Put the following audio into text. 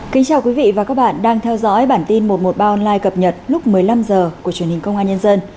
kính chào quý vị và các bạn đang theo dõi bản tin một trăm một mươi ba online cập nhật lúc một mươi năm h của truyền hình công an nhân dân